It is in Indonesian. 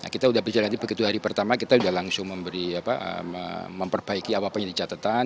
kita sudah berjalan begitu hari pertama kita sudah langsung memperbaiki apa menjadi catatan